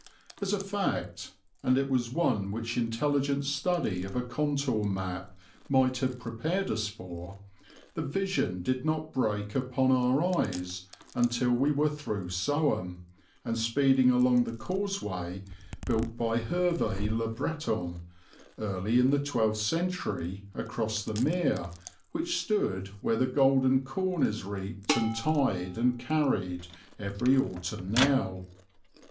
As a fact, and it was one which intelligent study of a contour map might have prepared us for, the vision did not break upon our eyes until we were through Soham, and speeding along the causeway built by Hervé le Breton early in the twelfth century across the mere which stood where the golden corn is reaped and tied and carried every autumn now.